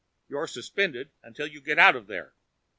You're suspended until you get out of there.